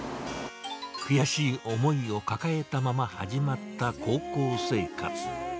悔しい思いを抱えたまま始まった高校生活。